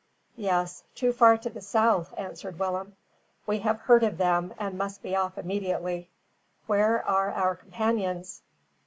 "Yes, too far to the south," answered Willem. "We have heard of them, and must be off immediately. Where are our companions?"